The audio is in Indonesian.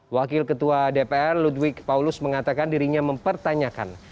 wakil ketua dpr ludwig paulus mengatakan dirinya mempertanyakan